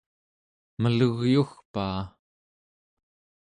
melugyugpaa!